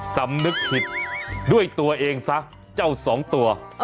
สำนึกผิดด้วยตัวเองซะเจ้าสองตัว